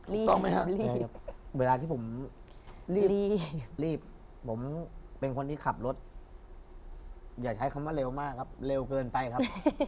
รีบเวลาที่ผมรีบผมเป็นคนที่ขับรถอย่าใช้คำว่าเร็วมากครับเร็วเกินไปครับ